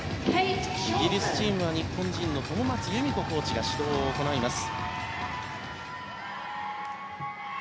イギリスチームは日本人の友松由美子コーチが指導を行います。